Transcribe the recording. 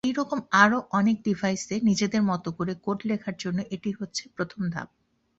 এইরকম আরও অনেক ডিভাইসে নিজেদের মত করে কোড লেখার জন্য এটি হচ্ছে প্রথম ধাপ।